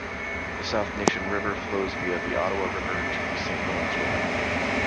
The South Nation River flows via the Ottawa River to the Saint Lawrence River.